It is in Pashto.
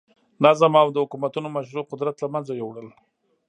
نظم او د حکومتونو مشروع قدرت له منځه یووړل.